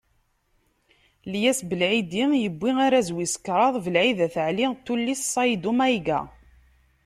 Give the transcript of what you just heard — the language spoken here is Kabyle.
Lyes Belɛidi yewwi arraz wis kraḍ Belɛid At Ɛli n tullist Ṣayddu Mayga.